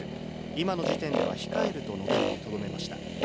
今の時点では控えると述べるにとどめました。